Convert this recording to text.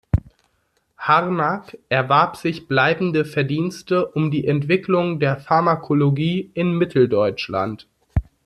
Harnack erwarb sich bleibende Verdienste um die Entwicklung der Pharmakologie in Mitteldeutschland.